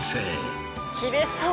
切れそう！